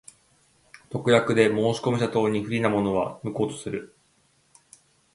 特約で申込者等に不利なものは、無効とする。